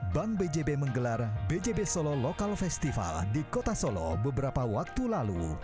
bank bjb menggelar bjb solo lokal festival di kota solo beberapa waktu lalu